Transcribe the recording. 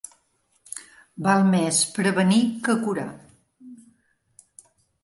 Val més prevenir que curar.